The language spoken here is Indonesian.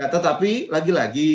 ya tetapi lagi lagi